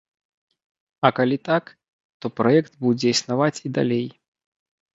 А калі так, то праект будзе існаваць і далей.